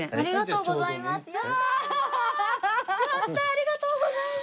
ありがとうございます！